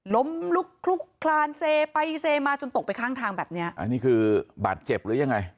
ล้มลุกคลุกคลานเซไปเซมาจนตกไปข้างทางแบบเนี้ยอันนี้คือบาดเจ็บหรือยังไง